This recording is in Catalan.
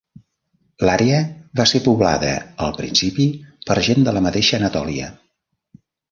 L'àrea va ser poblada, al principi, per gent de la mateixa Anatòlia.